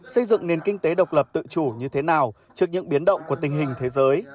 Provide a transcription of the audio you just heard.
xây dựng nền kinh tế độc lập tự chủ như thế nào trước những biến động của tình hình thế giới